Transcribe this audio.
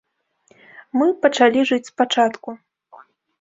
Мы пачалі жыць спачатку.